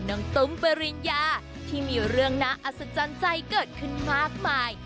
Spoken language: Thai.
ตุ้มปริญญาที่มีเรื่องน่าอัศจรรย์ใจเกิดขึ้นมากมาย